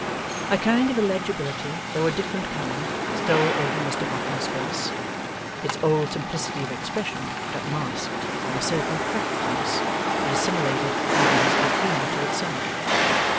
A kind of illegibility, though a different kind, stole over Mr Boffin's face. Its old simplicity of expression got masked by a certain craftiness that assimilated even his good humour to itself.